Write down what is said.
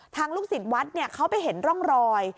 ลูกศิษย์วัดเขาไปเห็นร่องรอย